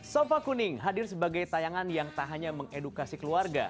sofa kuning hadir sebagai tayangan yang tak hanya mengedukasi keluarga